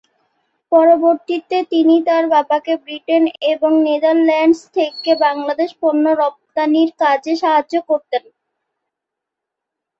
পরবর্তীতে তিনি তার বাবাকে ব্রিটেন এবং নেদারল্যান্ডস থেকে বাংলাদেশে পণ্য রপ্তানির কাজে সাহায্য করতেন।